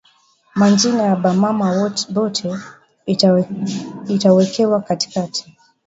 Ma njina ya ba mama bote itawekewa katikati